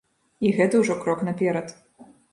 І гэта ўжо крок наперад.